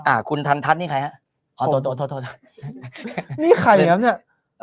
อ่าคุณทันทันนี่ใครฮะอ๋อโทษโทษโทษโทษนี่ใครครับเนี้ยอ๋อ